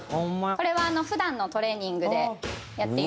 これは普段のトレーニングでやっています。